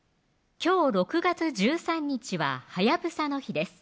今日６月１３日ははやぶさの日です